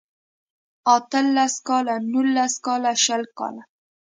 اته لس کاله نولس کاله شل کاله